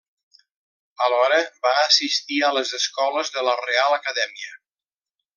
Alhora, va assistir a les escoles de la Reial Acadèmia.